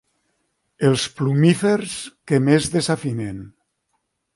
Els plumífers que més desafinen.